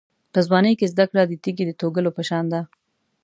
په ځوانۍ کې زده کړه د تېږې د توږلو په شان ده.